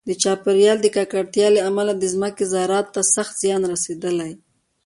د چاپیریال د ککړتیا له امله د ځمکې زراعت ته سخت زیان رسېدلی.